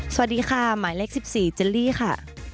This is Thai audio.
สวัสดีค่ะหมายเลข๑๔เจลลี่ค่ะ